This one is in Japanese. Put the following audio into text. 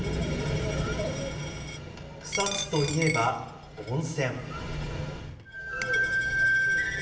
草津といえば温泉。